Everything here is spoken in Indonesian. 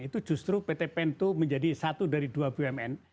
itu justru pt pento menjadi satu dari dua bumn